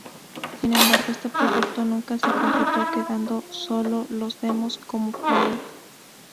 Sin embargo este proyecto nunca se concretó, quedando solo los demos como prueba.